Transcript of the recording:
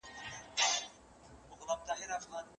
تقدیر پاس په تدبیرونو پوري خاندي